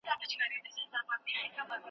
روغتونونه باید پاک وساتل شي.